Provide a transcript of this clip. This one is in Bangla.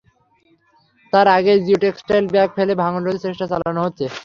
তার আগেই জিও টেক্সটাইল ব্যাগ ফেলে ভাঙন রোধের চেষ্টা চালানো হচ্ছে।